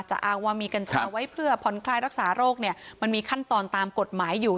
อ้างว่ามีกัญชาไว้เพื่อผ่อนคลายรักษาโรคเนี่ยมันมีขั้นตอนตามกฎหมายอยู่